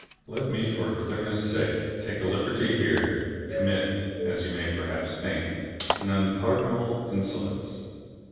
Let me for clearness' sake take a liberty here commit, as you may perhaps think, an unpardonable insolence.